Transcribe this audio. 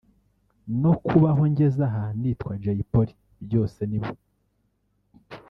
no kuba aho ngeze aha nitwa Jay Polly byose ni bo